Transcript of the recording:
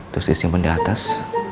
terus disimpen di atas